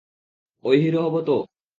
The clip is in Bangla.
ঐ হিরো হব তো?